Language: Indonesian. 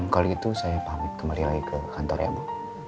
kalau itu saya pamit kembali lagi ke kantor ya bu